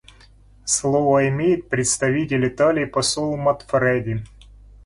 Слово имеет представитель Италии посол Манфреди.